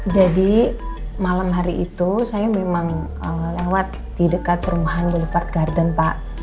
jadi malam hari itu saya memang lewat di dekat rumah bollywood garden pak